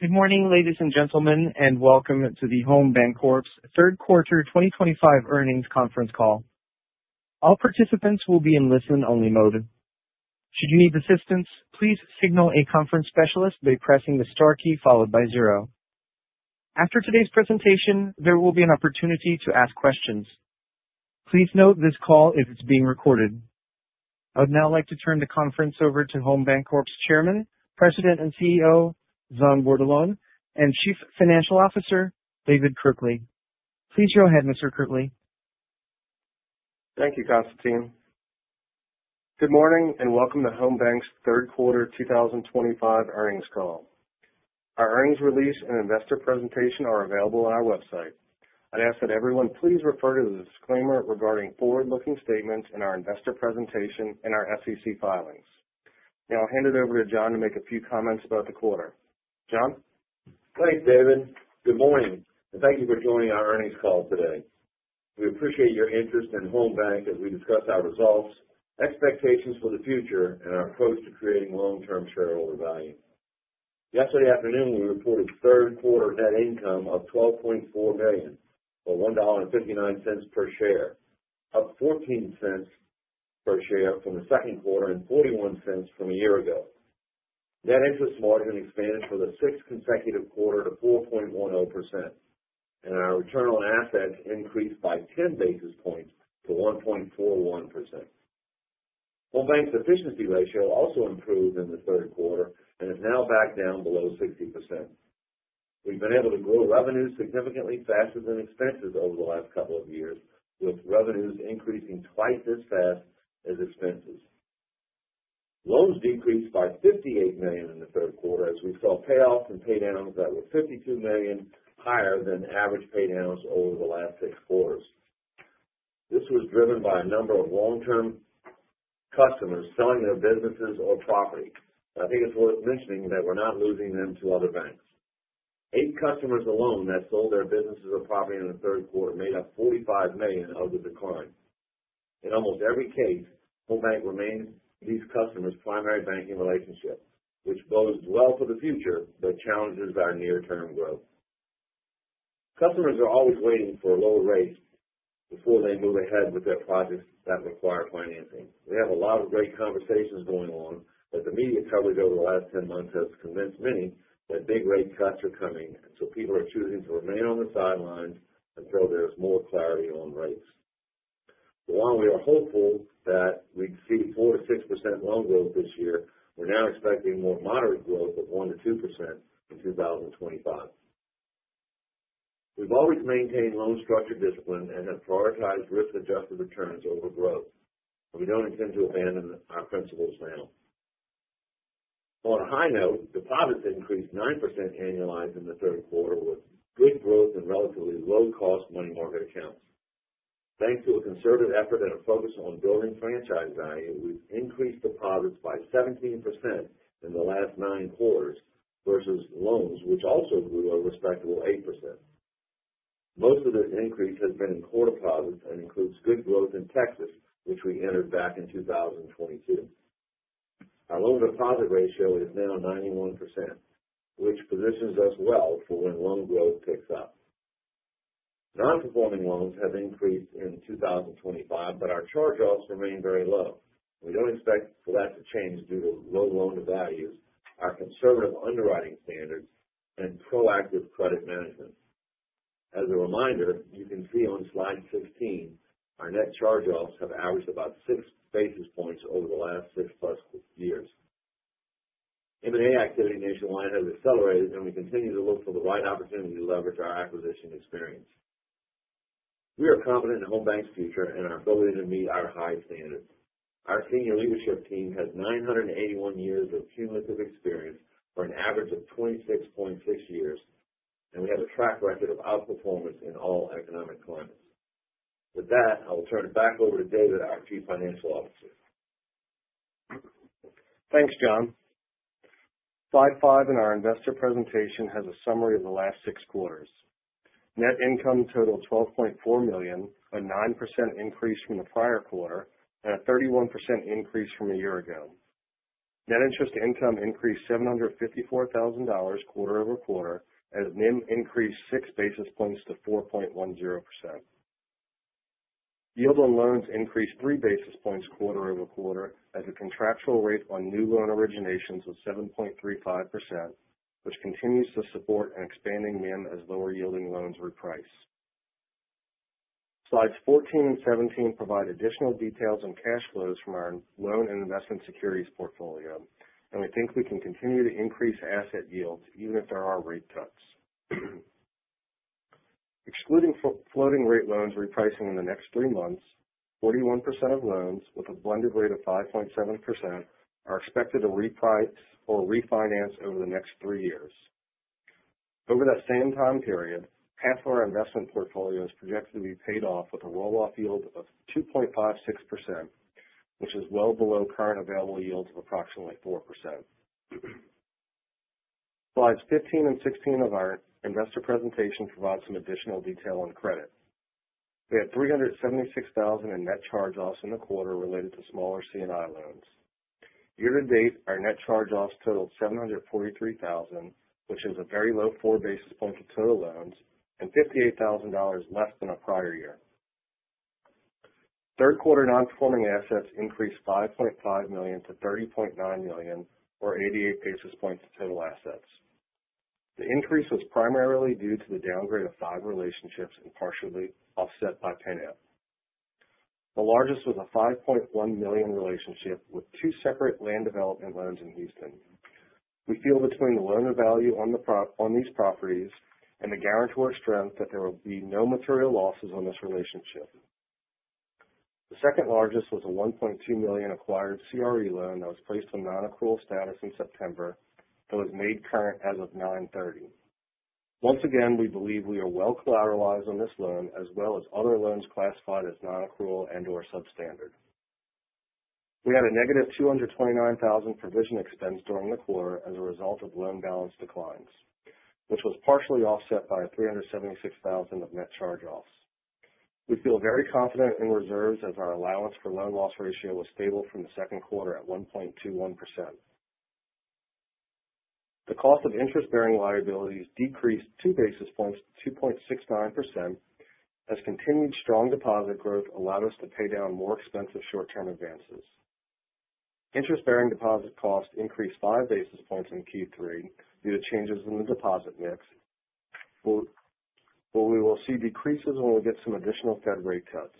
Good morning, ladies and gentlemen, and welcome to the Home Bancorp's third quarter 2025 earnings conference call. All participants will be in listen-only mode. Should you need assistance, please signal a conference specialist by pressing the star key followed by zero. After today's presentation, there will be an opportunity to ask questions. Please note this call is being recorded. I would now like to turn the conference over to Home Bancorp's Chairman, President, and CEO John Bordelon, and Chief Financial Officer David Kirkley. Please go ahead, Mr. Kirkley. Thank you, Konstantin. Good morning and welcome to Home Bank's third quarter 2025 earnings call. Our earnings release and investor presentation are available on our website. I'd ask that everyone please refer to the disclaimer regarding forward-looking statements in our investor presentation and our SEC filings. Now I'll hand it over to John to make a few comments about the quarter. John? Thanks, David. Good morning, and thank you for joining our earnings call today. We appreciate your interest in Home Bank as we discuss our results, expectations for the future, and our approach to creating long-term shareholder value. Yesterday afternoon, we reported third quarter net income of $12.4 million or $1.59 per share, up $0.14 per share from the second quarter and $0.41 from a year ago. Net interest margin expanded for the sixth consecutive quarter to 4.10%, and our return on assets increased by 10 basis points to 1.41%. Home Bank's efficiency ratio also improved in the third quarter and is now back down below 60%. We've been able to grow revenues significantly faster than expenses over the last couple of years, with revenues increasing twice as fast as expenses. Loans decreased by $58 million in the third quarter, as we saw payoffs and paydowns that were $52 million higher than average paydowns over the last six quarters. This was driven by a number of long-term customers selling their businesses or property. I think it's worth mentioning that we're not losing them to other banks. Eight customers alone that sold their businesses or property in the third quarter made up $45 million of the decline. In almost every case, Home Bank remains these customers' primary banking relationship, which bodes well for the future but challenges our near-term growth. Customers are always waiting for a lower rate before they move ahead with their projects that require financing. We have a lot of great conversations going on, but the media coverage over the last 10 months has convinced many that big rate cuts are coming, and so people are choosing to remain on the sidelines until there's more clarity on rates. While we are hopeful that we'd see 4%-6% loan growth this year, we're now expecting more moderate growth of 1%-2% in 2025. We've always maintained loan structure discipline and have prioritized risk-adjusted returns over growth, and we don't intend to abandon our principles now. On a high note, deposits increased 9% annualized in the third quarter, with good growth in relatively low-cost money market accounts. Thanks to a concerted effort and a focus on building franchise value, we've increased deposits by 17% in the last nine quarters versus loans, which also grew a respectable 8%. Most of this increase has been in core deposits and includes good growth in Texas, which we entered back in 2022. Our loan-to-deposit ratio is now 91%, which positions us well for when loan growth picks up. Non-performing loans have increased in 2025, but our charge-offs remain very low. We don't expect for that to change due to low loan-to-values, our conservative underwriting standards, and proactive credit management. As a reminder, you can see on Slide 16, our net charge-offs have averaged about six basis points over the last six-plus years. M&A activity nationwide has accelerated, and we continue to look for the right opportunity to leverage our acquisition experience. We are confident in Home Bank's future and our ability to meet our high standards. Our senior leadership team has 981 years of cumulative experience for an average of 26.6 years, and we have a track record of outperformance in all economic climates. With that, I will turn it back over to David, our Chief Financial Officer. Thanks, John. Slide 5 in our investor presentation has a summary of the last six quarters. Net income totaled $12.4 million, a 9% increase from the prior quarter and a 31% increase from a year ago. Net interest income increased $754,000 quarter-over-quarter, as NIM increased 6 basis points to 4.10%. Yield on loans increased 3 basis points quarter-over-quarter, as the contractual rate on new loan originations was 7.35%, which continues to support an expanding NIM as lower-yielding loans reprice. Slides 14 and 17 provide additional details on cash flows from our loan and investment securities portfolio, and we think we can continue to increase asset yields even if there are rate cuts. Excluding floating-rate loans repricing in the next three months, 41% of loans with a blended rate of 5.7% are expected to reprice or refinance over the next three years. Over that same time period, paydown of our investment portfolio is projected to be paid off with a roll-off yield of 2.56%, which is well below current available yields of approximately 4%. Slides 15 and 16 of our investor presentation provide some additional detail on credit. We had $376,000 in net charge-offs in the quarter related to smaller C&I loans. Year-to-date, our net charge-offs totaled $743,000, which is a very low 4 basis points of total loans and $58,000 less than a prior year. Third quarter non-performing assets increased $5.5 million to $30.9 million, or 88 basis points of total assets. The increase was primarily due to the downgrade of five relationships and partially offset by payment. The largest was a $5.1 million relationship with two separate land development loans in Houston. We feel between the loan-to-value on these properties and the guarantor strength that there will be no material losses on this relationship. The second largest was a $1.2 million acquired CRE loan that was placed on non-accrual status in September that was made current as of 9/30. Once again, we believe we are well collateralized on this loan as well as other loans classified as non-accrual and/or substandard. We had a negative $229,000 provision expense during the quarter as a result of loan balance declines, which was partially offset by $376,000 of net charge-offs. We feel very confident in reserves as our allowance for loan loss ratio was stable from the second quarter at 1.21%. The cost of interest-bearing liabilities decreased two basis points to 2.69% as continued strong deposit growth allowed us to pay down more expensive short-term advances. Interest-bearing deposit costs increased five basis points in Q3 due to changes in the deposit mix, but we will see decreases when we get some additional Fed rate cuts.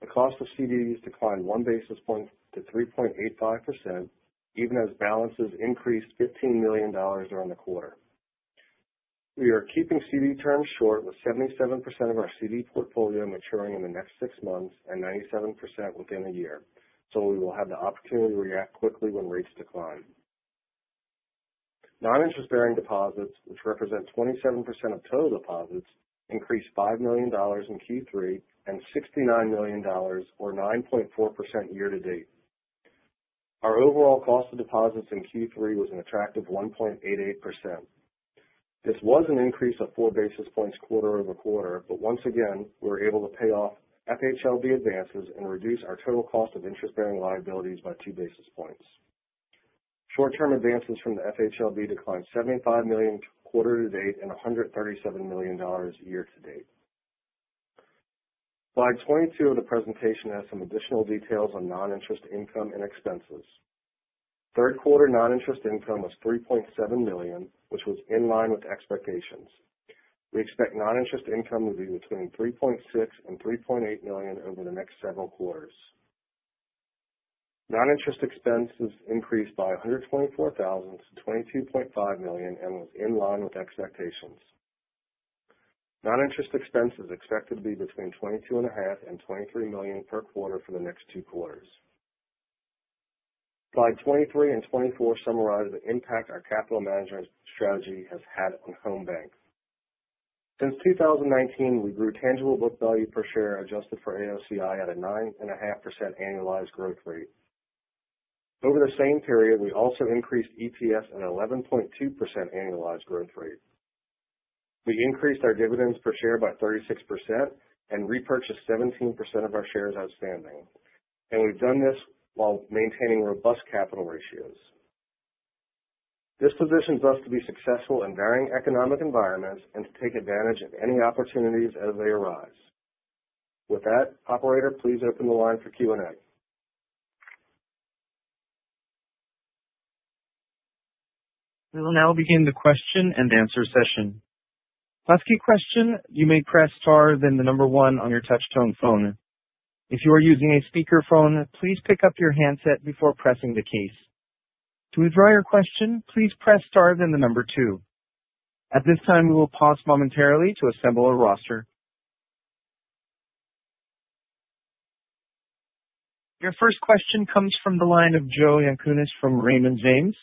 The cost of CDs declined one basis point to 3.85% even as balances increased $15 million during the quarter. We are keeping CD terms short with 77% of our CD portfolio maturing in the next six months and 97% within a year, so we will have the opportunity to react quickly when rates decline. Non-interest-bearing deposits, which represent 27% of total deposits, increased $5 million in Q3 and $69 million, or 9.4% year-to-date. Our overall cost of deposits in Q3 was an attractive 1.88%. This was an increase of four basis points quarter-over-quarter, but once again, we were able to pay off FHLB advances and reduce our total cost of interest-bearing liabilities by two basis points. Short-term advances from the FHLB declined $75 million quarter-to-date and $137 million year-to-date. Slide 22 of the presentation has some additional details on noninterest income and expenses. Third quarter noninterest income was $3.7 million, which was in line with expectations. We expect noninterest income to be between $3.6 and $3.8 million over the next several quarters. Noninterest expenses increased by $124,000 to $22.5 million and was in line with expectations. Noninterest expenses expected to be between $22.5 and $23 million per quarter for the next two quarters. Slides 23 and 24 summarize the impact our capital management strategy has had on Home Bank. Since 2019, we grew tangible book value per share adjusted for AOCI at a 9.5% annualized growth rate. Over the same period, we also increased EPS at an 11.2% annualized growth rate. We increased our dividends per share by 36% and repurchased 17% of our shares outstanding, and we've done this while maintaining robust capital ratios. This positions us to be successful in varying economic environments and to take advantage of any opportunities as they arise. With that, operator, please open the line for Q&A. We will now begin the question and answer session. To ask a question, you may press star then the number one on your touch-tone phone. If you are using a speakerphone, please pick up your handset before pressing the keys. To withdraw your question, please press star then the number two. At this time, we will pause momentarily to assemble a roster. Your first question comes from the line of Joseph Yanchunis from Raymond James.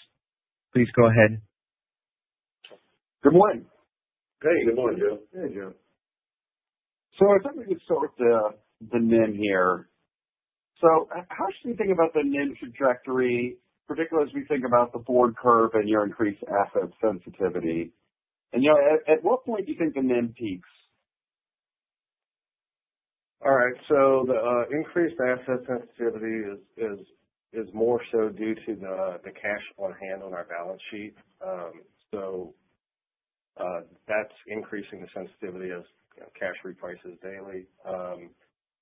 Please go ahead. Good morning. Hey, good morning, Joseph. Hey, Joseph. So I thought we could start with the NIM here. So how should we think about the NIM trajectory, particularly as we think about the yield curve and your increased asset sensitivity? And at what point do you think the NIM peaks? All right, so the increased asset sensitivity is more so due to the cash on hand on our balance sheet, so that's increasing the sensitivity as cash reprices daily.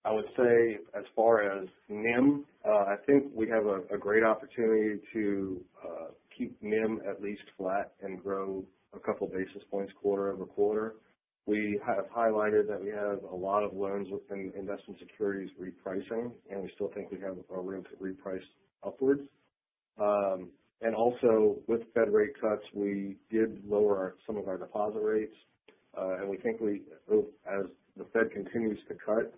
I would say as far as NIM, I think we have a great opportunity to keep NIM at least flat and grow a couple of basis points quarter-over-quarter. We have highlighted that we have a lot of loans and investment securities repricing, and we still think we have room to reprice upwards, and also, with Fed rate cuts, we did lower some of our deposit rates, and we think as the Fed continues to cut,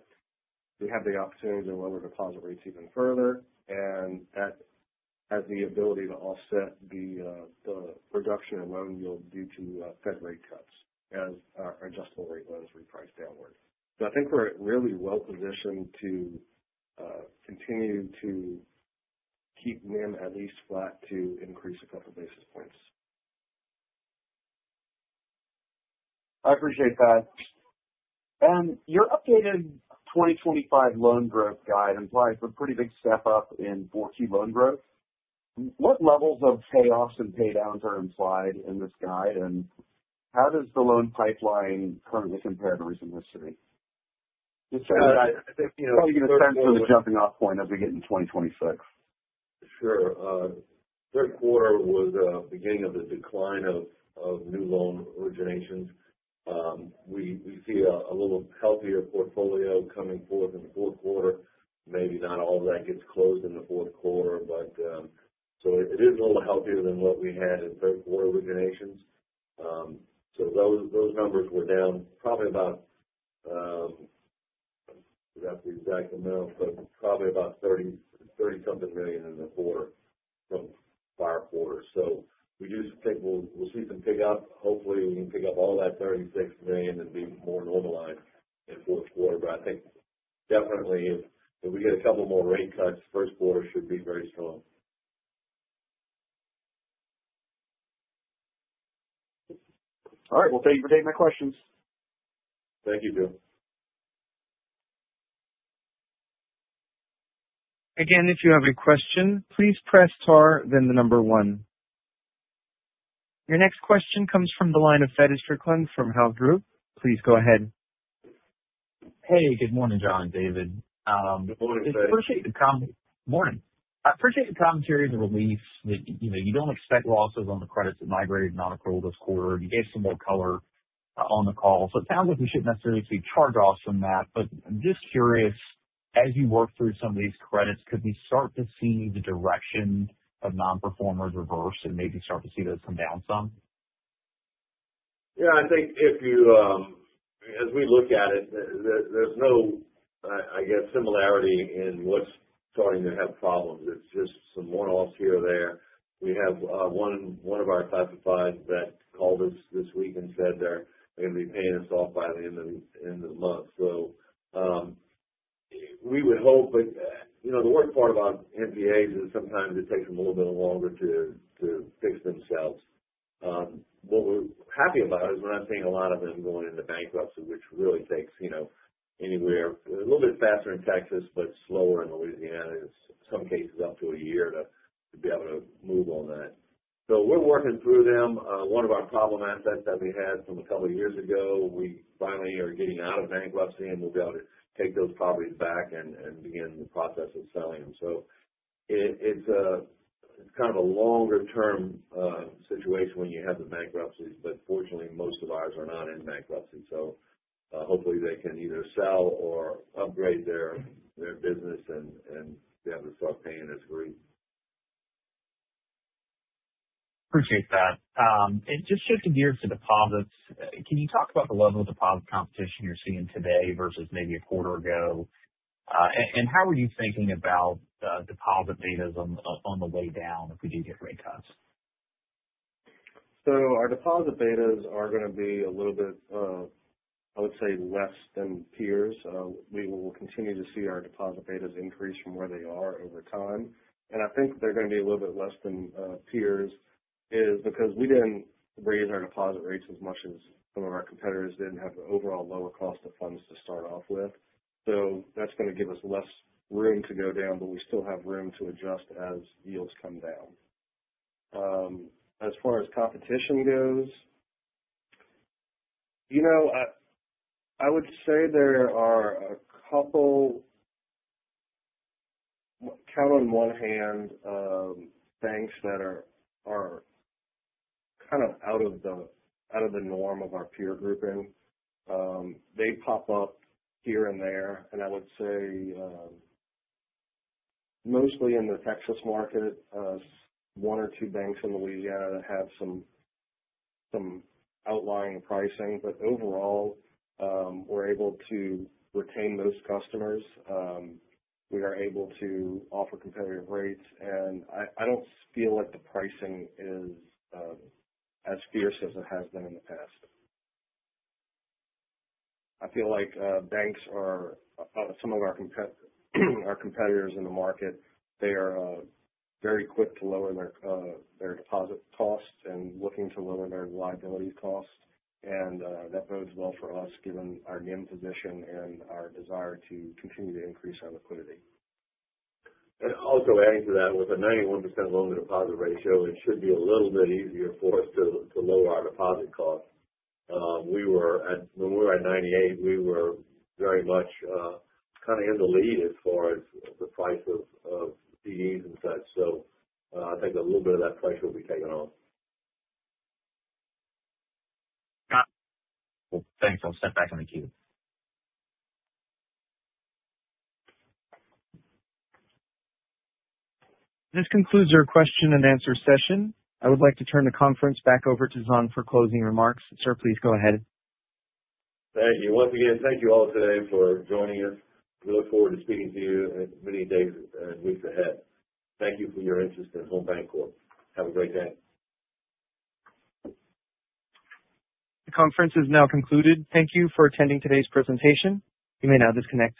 we have the opportunity to lower deposit rates even further, and that has the ability to offset the reduction in loan yield due to Fed rate cuts as our adjustable rate loans reprice downward. So I think we're really well positioned to continue to keep NIM at least flat to increase a couple of basis points. I appreciate that. And your updated 2025 loan growth guide implies a pretty big step up in forward-looking loan growth. What levels of payoffs and paydowns are implied in this guide, and how does the loan pipeline currently compare to recent history? Just trying to get a sense of the jumping-off point as we get into 2026. Sure. Third quarter was the beginning of the decline of new loan originations. We see a little healthier portfolio coming forth in the fourth quarter. Maybe not all of that gets closed in the fourth quarter, but so it is a little healthier than what we had in third quarter originations. So those numbers were down probably about, without the exact amount, but probably about $30-something million in the quarter from prior quarters. So we do think we'll see some pickup. Hopefully, we can pick up all that $36 million and be more normalized in the fourth quarter. But I think definitely, if we get a couple more rate cuts, the first quarter should be very strong. All right. Well, thank you for taking my questions. Thank you, Joseph. Again, if you have a question, please press star then the number one. Your next question comes from the line of Feddie Strickland from Janney Montgomery Scott. Please go ahead. Hey, good morning, John, David. Good morning, Fed. I appreciate the commentary and the relief that you don't expect losses on the credits that migrated non-accrual this quarter. You gave some more color on the call. So it sounds like we shouldn't necessarily see charge-offs from that, but I'm just curious, as you work through some of these credits, could we start to see the direction of non-performers reverse and maybe start to see those come down some? Yeah. I think if you, as we look at it, there's no, I guess, similarity in what's starting to have problems. It's just some one-offs here or there. We have one of our classifieds that called us this week and said they're going to be paying us off by the end of the month. So we would hope, but the worst part about NPAs is sometimes it takes them a little bit longer to fix themselves. What we're happy about is we're not seeing a lot of them going into bankruptcy, which really takes anywhere a little bit faster in Texas, but slower in Louisiana. In some cases, up to a year to be able to move on that. So we're working through them. One of our problem assets that we had from a couple of years ago, we finally are getting out of bankruptcy, and we'll be able to take those properties back and begin the process of selling them. So it's kind of a longer-term situation when you have the bankruptcies, but fortunately, most of ours are not in bankruptcy. So hopefully, they can either sell or upgrade their business and be able to start paying as agreed. Appreciate that. And just shifting gears to deposits, can you talk about the level of deposit competition you're seeing today versus maybe a quarter ago? And how are you thinking about deposit betas on the way down if we do get rate cuts? So our deposit betas are going to be a little bit, I would say, less than peers. We will continue to see our deposit betas increase from where they are over time. And I think they're going to be a little bit less than peers because we didn't raise our deposit rates as much as some of our competitors did and have the overall lower cost of funds to start off with. So that's going to give us less room to go down, but we still have room to adjust as yields come down. As far as competition goes, I would say there are a couple, count on one hand, banks that are kind of out of the norm of our peer grouping. They pop up here and there, and I would say mostly in the Texas market, one or two banks in Louisiana that have some outlying pricing. Overall, we're able to retain most customers. We are able to offer competitive rates, and I don't feel like the pricing is as fierce as it has been in the past. I feel like banks are some of our competitors in the market. They are very quick to lower their deposit costs and looking to lower their liability costs, and that bodes well for us given our NIM position and our desire to continue to increase our liquidity. Also adding to that, with a 91% loan-to-deposit ratio, it should be a little bit easier for us to lower our deposit costs. When we were at 98, we were very much kind of in the lead as far as the price of CDs and such. I think a little bit of that pressure will be taken off. Got it. Thanks. I'll step back in the queue. This concludes our question and answer session. I would like to turn the conference back over to John for closing remarks. Sir, please go ahead. Thank you. Once again, thank you all today for joining us. We look forward to speaking to you in many days and weeks ahead. Thank you for your interest in Home Bancorp. Have a great day. The conference is now concluded. Thank you for attending today's presentation. You may now disconnect.